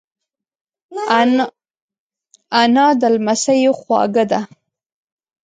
انا د لمسیو خواږه ده